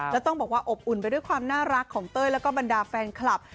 แล้วต้องบอกว่าอบอุ่นไปด้วยความน่ารักของเต้ยแล้วก็บรรดาแฟนคลับ